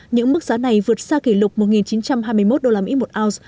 những mức giá này vượt xa kỷ lục một chín trăm hai mươi một đô la mỹ một ounce